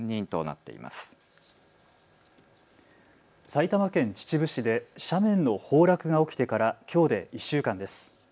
埼玉県秩父市で斜面の崩落が起きてからきょうで１週間です。